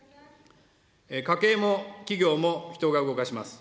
家計も企業も人が動かします。